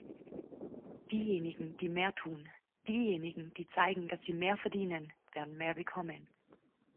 Diejenigen, die mehr tun, diejenigen, die zeigen, dass sie mehr verdienen, werden mehr bekommen.